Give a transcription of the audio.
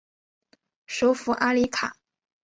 首府阿里卡。